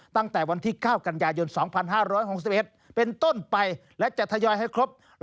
ตั้งแต่วันที่๙กันยายน๒๕๖๑เป็นต้นไปและจะทยอยให้ครบ